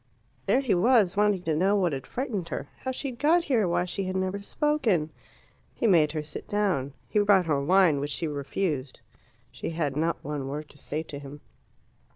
There he was, wanting to know what had frightened her, how she had got here, why she had never spoken. He made her sit down. He brought her wine, which she refused. She had not one word to say to him.